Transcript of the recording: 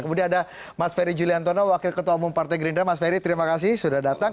kemudian ada mas ferry juliantono wakil ketua umum partai gerindra mas ferry terima kasih sudah datang